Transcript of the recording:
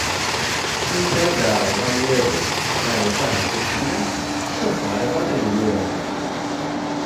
Amek ara d-tɛerḍeḍ amyaru ɣer lqahwa taseklant, kečč ur teɣriḍ ara ayen yura?